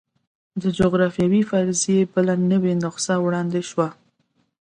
د جغرافیوي فرضیې بله نوې نسخه وړاندې شوه.